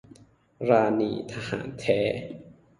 ราณี ทหารแท้